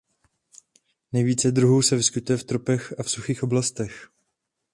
Nejvíce druhů se vyskytuje v tropech a v suchých oblastech.